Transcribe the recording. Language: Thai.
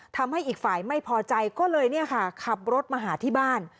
ทำให้อีกฝ่ายไม่พอใจก็เลยเนี่ยค่ะขับรถมาหาที่บ้าน